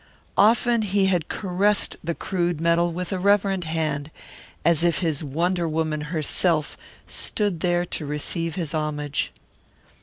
Often he had caressed the crude metal with a reverent hand, as if his wonder woman herself stood there to receive his homage.